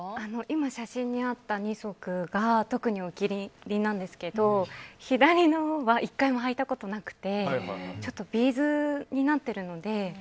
今写真にあった２足が特にお気に入りなんですけど左のは１回もはいたことなくてビーズになっているので。